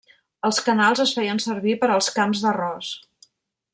Els canals es feien servir per als camps d'arròs.